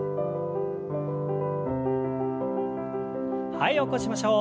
はい起こしましょう。